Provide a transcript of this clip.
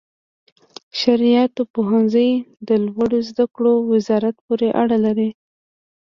شرعیاتو پوهنځي د لوړو زده کړو وزارت پورې اړه لري.